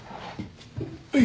はい。